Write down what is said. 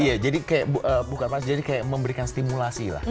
iya jadi kayak bukan pasti jadi kayak memberikan stimulasi lah